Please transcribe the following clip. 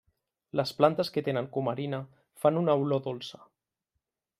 Les plantes que tenen cumarina fan una olor dolça.